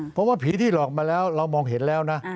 เพราะว่าผีที่หลอกมาแล้วเรามองเห็นแล้วนะ